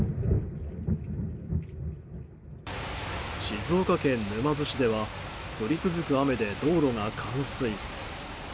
静岡県沼津市では降り続く雨で道路が冠水。